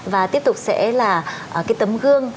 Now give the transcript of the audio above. và tiếp tục sẽ là cái tấm gương